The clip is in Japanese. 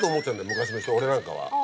昔の人俺なんかは。